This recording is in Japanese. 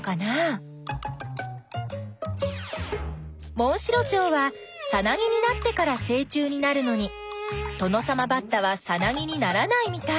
モンシロチョウはさなぎになってからせい虫になるのにトノサマバッタはさなぎにならないみたい。